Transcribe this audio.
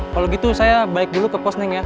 kalau gitu saya balik dulu ke pos neng ya